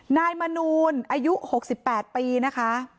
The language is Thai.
นายมนูลอายุ๖๘ปีนะคะ